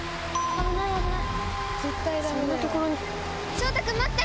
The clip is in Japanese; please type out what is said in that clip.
翔太君待って！